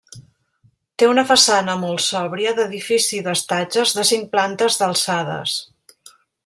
Té una façana molt sòbria d'edifici d'estatges de cinc plantes d'alçades.